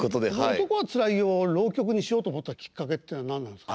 「男はつらいよ」を浪曲にしようと思ったきっかけって何なんですか？